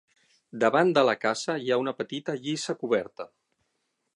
Davant de la casa hi ha una petita lliça coberta.